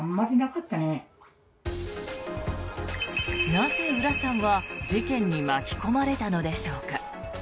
なぜ浦さんは事件に巻き込まれたのでしょうか。